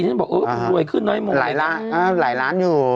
แล้วถึงบอกรวยขึ้นน้อยมีรายล้านอยู่